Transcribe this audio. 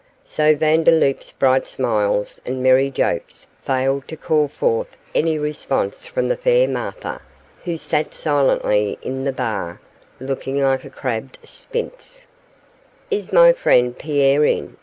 So Vandeloup's bright smiles and merry jokes failed to call forth any response from the fair Martha, who sat silently in the bar, looking like a crabbed sphinx. 'Is my friend Pierre in?